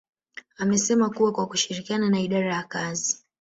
amesema kuwa kwa kushirikiana na idara ya kazi